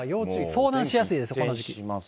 遭難しやすいですよ、この時期。